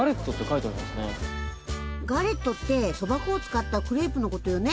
ガレットってそば粉を使ったクレープの事よね？